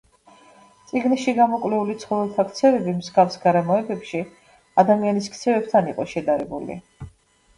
წიგნში გამოკვლეული ცხოველთა ქცევები მსგავს გარემოებებში ადამიანის ქცევებთან იყო შედარებული.